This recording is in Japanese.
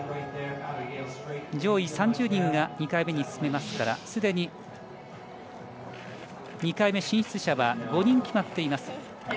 上位３０人が２回目に進めますからすでに２回目進出者５人決まっています。